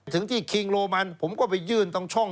ถึงที่คิงโรมันผมก็ไปยื่นตรงช่อง